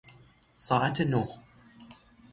ساعت نه